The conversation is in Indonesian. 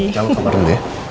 jangan lupa bantu ya